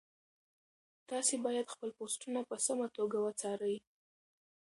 تاسي باید خپل پوسټونه په سمه توګه وڅارئ.